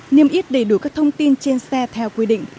niêm yết đầy đủ các thông tin trên xe theo quy định